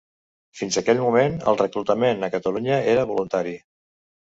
Fins aquell moment el reclutament a Catalunya era voluntari.